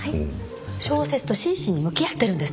小説と真摯に向き合ってるんです。